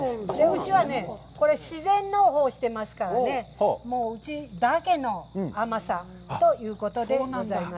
うちはね、これ、自然農法をしてますからね、うちだけの甘さということでございます。